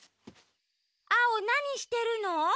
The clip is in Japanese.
アオなにしてるの？